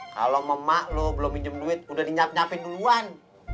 kalau emak lo belum minjem duit udah dinyap nyapin duluan